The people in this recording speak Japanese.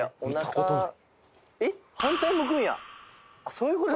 そういうこと？